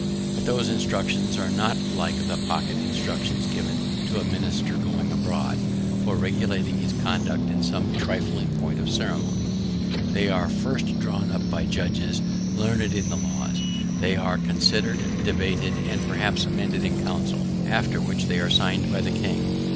But those instructions are not like the pocket instructions given to a minister going abroad, for regulating his conduct in some trifling point of ceremony. They are first drawn up by judges learned in the laws; they are then considered, debated, and perhaps amended in Council, after which they are signed by the king.